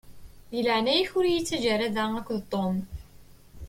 Di leɛnaya-k ur yi-ttaǧǧa ara da akked Tom.